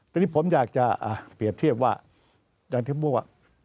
แต่นี้ผมอยากจะเผียบเทียบว่านังที่พวก